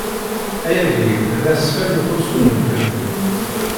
Ayagi d asfel n uḥussu n ddnub.